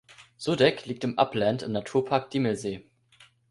Sudeck liegt im Upland im Naturpark Diemelsee.